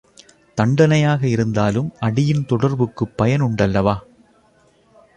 தண்டனையாக இருந்தாலும் அடியின் தொடர்புக்குப் பயன் உண்டு அல்லவா?